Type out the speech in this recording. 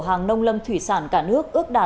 hàng nông lâm thủy sản cả nước ước đạt